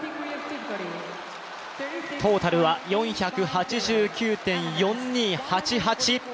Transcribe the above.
トータルは４８９．４２８８。